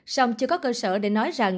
sống chưa có cơ sở để nói rằng